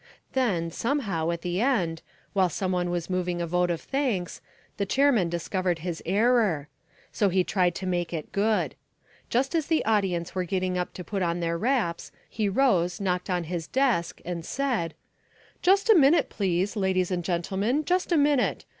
Then, somehow, at the end, while some one was moving a vote of thanks, the chairman discovered his error. So he tried to make it good. Just as the audience were getting up to put on their wraps, he rose, knocked on his desk and said: "Just a minute, please, ladies and gentlemen, just a minute.